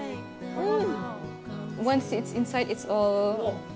うん！